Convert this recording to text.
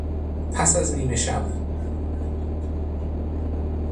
پس از نیمه شب